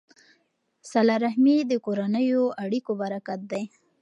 صله رحمي د کورنیو اړیکو برکت دی.